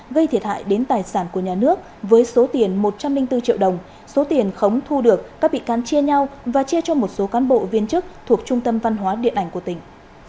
gây thiệt hại đến tài sản của nhà nước với số tiền một trăm linh bốn triệu đồng số tiền khống thu được các bị can chia nhau và chia cho một số cán bộ viên chức thuộc trung tâm văn hóa điện ảnh của tỉnh